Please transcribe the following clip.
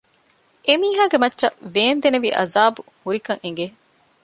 އެމީހާގެ މައްޗަށް ވޭންދެނިވި ޢަޛާބު ހުރިކަން އެނގެ